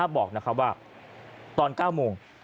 บอกว่าตอน๙โมง